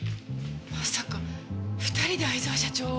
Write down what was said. まさか２人で逢沢社長を？